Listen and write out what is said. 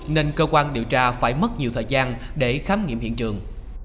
nên cơ quan điều tra phải mất nhiều thời gian để khám nghiệm hiện trường